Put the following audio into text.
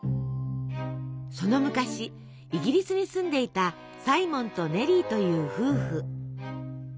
その昔イギリスに住んでいたサイモンとネリーという夫婦。